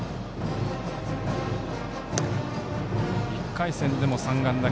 １回戦でも３安打。